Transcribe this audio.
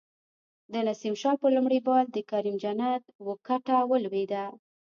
د نسیم شاه په لومړی بال د کریم جنت وکټه ولویده